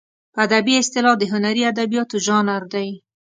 په ادبي اصطلاح د هنري ادبیاتو ژانر دی.